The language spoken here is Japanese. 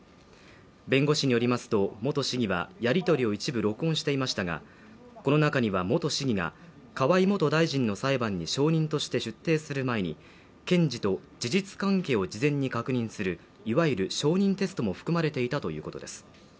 弁護士によりますと、元市議はやり取りを一部録音していましたが、この中には元市議が河井元大臣の裁判に証人として出廷する前に、検事と事実関係を事前に確認する、いわゆる証人テストも含まれていたということです。